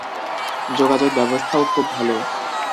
যোগাযোগ ব্যবস্থাও খুব ভালো।